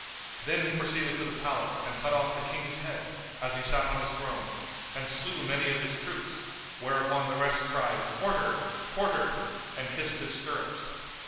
Then he proceeded to the palace and cut off the King's head, as he sat on his throne, and slew many of his troops, whereupon the rest cried "Quarter! Quarter!" and kissed his stirrups.